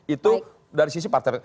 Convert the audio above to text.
itu dari sisi partai